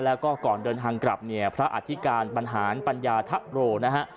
แล้วก็ก่อนเดินทางกลับเนี่ยพระอธิการบรรหารปัญญาทะโรนะฮะ